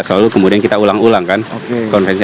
selalu kemudian kita ulang ulang kan konferensi